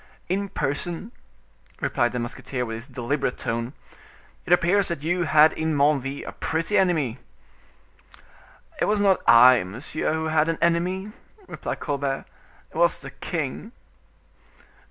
"In person," replied the musketeer with his deliberate tone; "it appears that you had in Menneville a pretty enemy." "It was not I, monsieur, who had an enemy," replied Colbert; "it was the king."